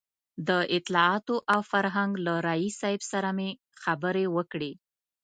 د اطلاعاتو او فرهنګ له رییس صاحب سره مې خبرې وکړې.